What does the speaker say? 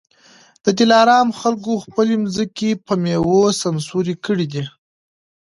د دلارام خلکو خپلي مځکې په میوو سمسوري کړي دي